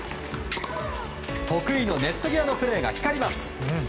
得意のネット際のプレーが光ります。